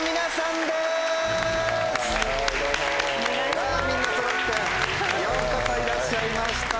わぁみんなそろってようこそいらっしゃいました。